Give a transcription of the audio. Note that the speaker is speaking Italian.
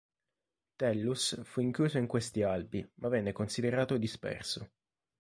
Tellus fu incluso in questi albi, ma venne considerato disperso.